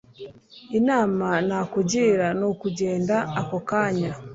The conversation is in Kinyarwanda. Inama nakugira nukugenda ako kanya.